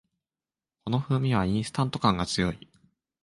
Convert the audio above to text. この風味はインスタント感が強い